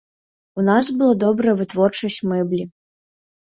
У нас было добрая вытворчасць мэблі.